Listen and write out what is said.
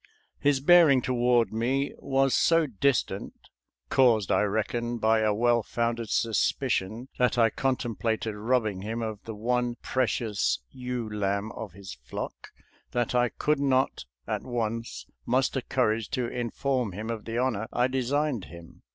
His bearing toward me was so distant— caused, I reckon, by a well founded suspicion that I contemplated robbing him of the one precious ewe lamb of his flock — that I could not at once muster courage to in form him of the honor I designed him.